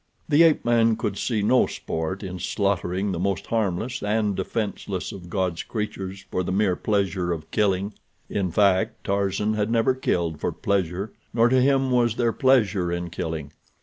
The ape man could see no sport in slaughtering the most harmless and defenseless of God's creatures for the mere pleasure of killing. In fact, Tarzan had never killed for "pleasure," nor to him was there pleasure in killing.